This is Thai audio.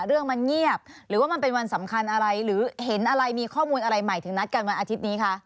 เรื่องมันเงียบหรือว่ามันเป็นวันสำคัญอะไรหรือเห็นอะไรมีข้อมูลอะไรใหม่ถึงนัดกันวันอาทิตย์นี้คะ